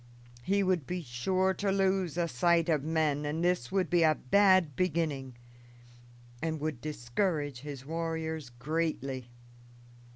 He would be safe to lose a sight of men, and this would be a bad beginning, and would discourage his warriors greatly.